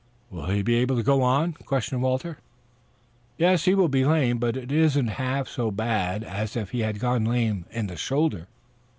"Will he be able to go on?" questioned Walter. "Yes. He will be lame, but it isn't half so bad as if he had gone lame in the shoulder.